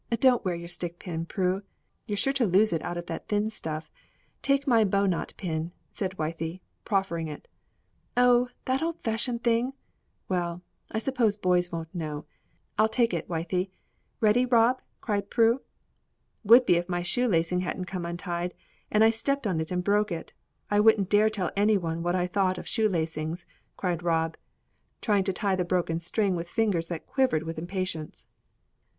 "Don't wear your stick pin, Prue; you're sure to lose it out of that thin stuff. Take my bow knot pin," said Wythie, proffering it. "Oh, that old fashioned thing! Well, I suppose boys won't know I'll take it, Wythie. Ready, Rob?" cried Prue. "Would be if my shoe lacing hadn't come untied, and I stepped on it and broke it. I wouldn't dare tell anyone what I thought of shoe lacings!" cried Rob, trying to tie the broken string with fingers that quivered with impatience.